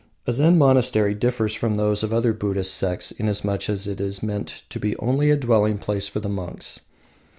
A Zen monastery differs from those of other Buddhist sects inasmuch as it is meant only to be a dwelling place for the monks.